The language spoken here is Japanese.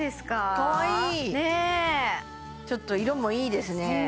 かわいいねちょっと色もいいですね